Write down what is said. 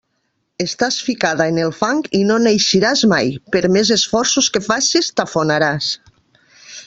Estàs ficada en el fang i no n'eixiràs mai; per més esforços que faces, t'afonaràs.